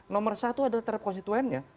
nomor satu adalah terhadap konstituennya